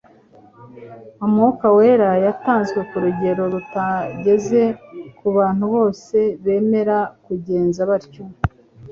Umwuka wera yatanzwe ku rugero rutageze ku bantu bose bemera kugenza batyo.